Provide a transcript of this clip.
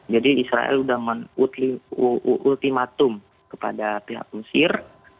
jadi israel sudah ultimatum kepada pihak mesir